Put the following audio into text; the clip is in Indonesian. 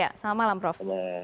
ya selamat malam prof